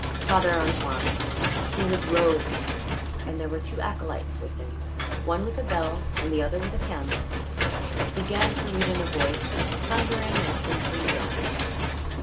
Father Antoine he was robed, and there were two acolytes with him, one with a bell and the other with a candle began to read in a voice as thundering as Simpson's own.